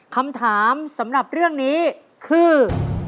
คำถามสำหรับเรื่องนี้คือ